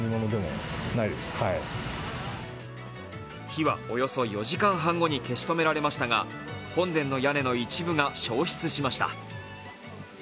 火はおよそ４時間半後に消し止められましたが本殿の屋根の一部が焼失しました。